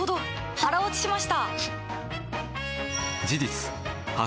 腹落ちしました！